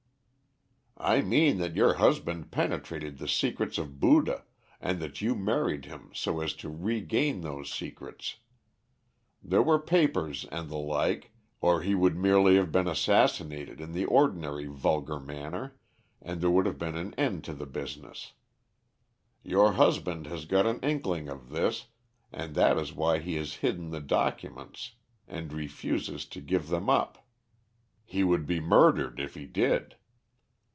"'I mean that your husband penetrated the secrets of Buddha, and that you married him so as to regain those secrets. There were papers and the like, or he would merely have been assassinated in the ordinary vulgar manner, and there would have been an end of the business. Your husband has got an inkling of this and that is why he has hidden the documents and refuses to give them up; he would be murdered if he did.'